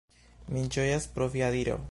Mi ĝojas pro via diro.